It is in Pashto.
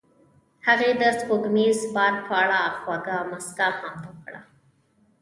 هغې د سپوږمیز باد په اړه خوږه موسکا هم وکړه.